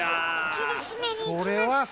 厳しめにいきました。